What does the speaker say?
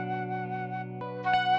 kamu juga sama